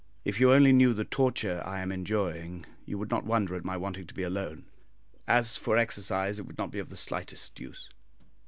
If you only knew the torture I am enduring, you would not wonder at my wanting to be alone. As for exercise, it would not be of the slightest use."